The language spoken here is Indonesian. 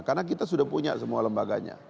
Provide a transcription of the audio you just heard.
karena kita sudah punya semua lembaganya